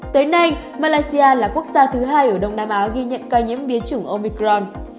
tới nay malaysia là quốc gia thứ hai ở đông nam á ghi nhận ca nhiễm biến chủng omicron